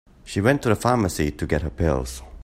She went to the pharmacy to get her pills.